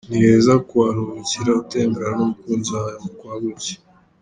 Ni heza kuharuhukira utemberana n’umukunzi wawe mu kwa buki.